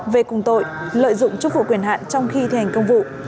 về cùng tội lợi dụng chúc phủ quyền hạn trong khi thi hành công vụ